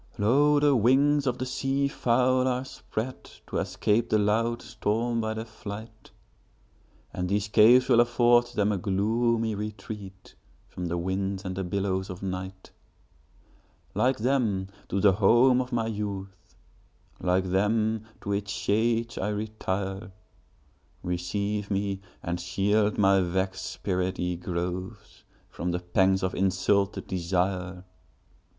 Lo! the wings of the sea fowl are spreadTo escape the loud storm by their flight; And these caves will afford them a gloomy retreatFrom the winds and the billows of night; Like them, to the home of my youth, Like them, to its shades I retire; Receive me, and shield my vexed spirit, ye groves, From the pangs of insulted desire!